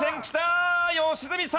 良純さん！